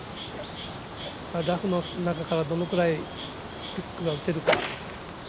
ラフの中からどのぐらいフックが打てるか。